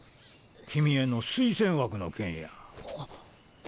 君への推薦枠の件や。